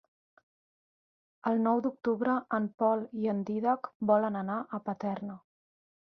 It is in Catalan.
El nou d'octubre en Pol i en Dídac volen anar a Paterna.